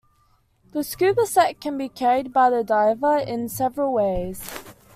The scuba set can be carried by the diver in several ways.